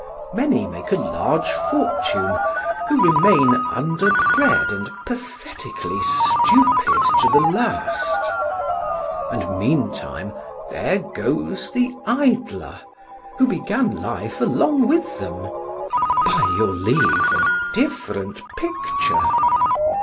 Many make a large fortune, who remain underbred and pathetically stupid to the last. And meantime there goes the idler, who began life along with them by your leave, a different picture.